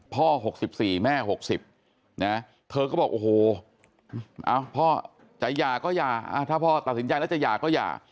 ๖๔แม่๖๐นะเธอก็บอกโอ้โหพ่อจะหย่าก็หย่าถ้าพ่อตัดสินใจแล้วจะหย่าก็หย่า